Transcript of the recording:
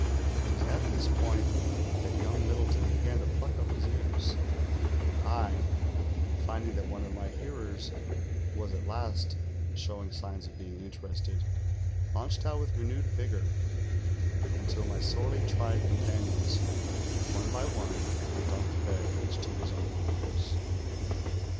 It was at this ])oint that young Aliddleton began to pluck up his ears; and I, finding that one of my hearers was at last showing signs of being interested, launched out with renewed vigoiu , until my sorely tried compan ions, one by one, went off to bed, each to his own quarters.